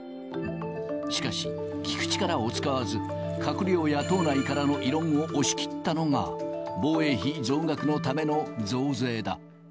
しかし、聞く力を使わず、閣僚や党内からの異論を押し切ったのが、防衛費増額のための増税だ。